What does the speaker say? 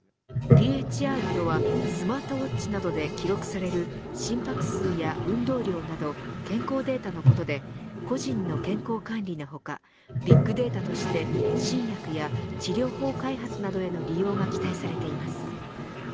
ＰＨＲとはスマートウォッチなどで記録される心拍数や運動量など健康データのことで個人の健康管理の他ビッグデータとして新薬や治療法開発への利用が期待されています。